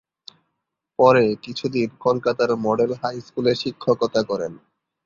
পরে কিছুদিন কলকাতার মডেল হাই স্কুলে শিক্ষকতা করেন।